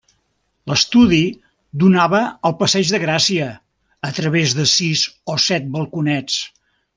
L’estudi donava al passeig de Gràcia a través de sis o set balconets.